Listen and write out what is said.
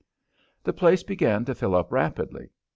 The place began to fill up rapidly.